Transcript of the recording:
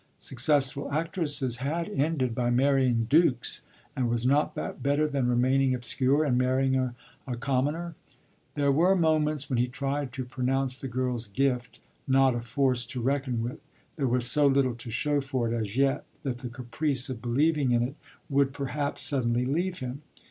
Successful actresses had ended by marrying dukes, and was not that better than remaining obscure and marrying a commoner? There were moments when he tried to pronounce the girl's "gift" not a force to reckon with; there was so little to show for it as yet that the caprice of believing in it would perhaps suddenly leave him.